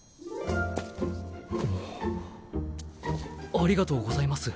ありがとうございます。